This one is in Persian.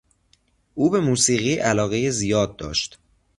او به موسیقی علاقهی زیاد داشت.